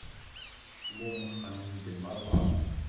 Cmumxen-d meṛṛa.